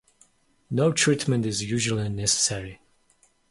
No treatment is usually necessary.